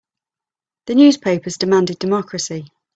The newspapers demanded democracy.